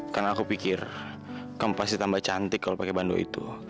karena aku pikir kamu pasti tambah cantik kalau pakai bandu itu